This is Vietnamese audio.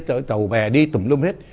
tầu bè đi tùm lum hết